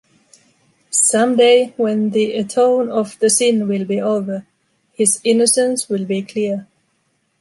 Someday, when the atone of the sin will be over, his innocence will be clear.